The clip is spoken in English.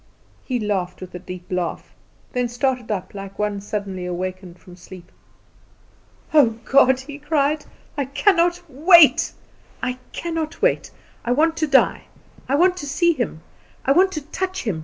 He laughed a deep laugh; then started up like one suddenly awakened from sleep. "Oh, God!" He cried, "I cannot wait; I cannot wait! I want to die; I want to see Him; I want to touch him.